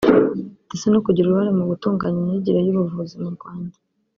ndetse no kugira uruhare mu gutunganya imyigire y’ubuvuzi mu Rwanda